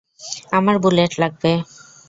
আমার বুলেট লাগবে।